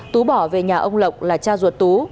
tú bỏ về nhà ông lộc là cha ruột tú